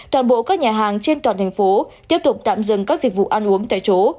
toàn bộ các nhà hàng trên toàn thành phố tiếp tục tạm dừng các dịch vụ ăn uống tại chỗ